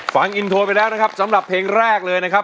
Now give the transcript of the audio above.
ฟังอินโทรไปแล้วนะครับสำหรับเพลงแรกเลยนะครับ